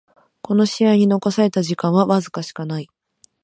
この試合に残された時間はわずかしかない